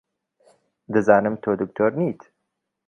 دەزانم تۆ دکتۆر نیت.